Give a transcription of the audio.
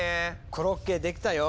コロッケできたよ！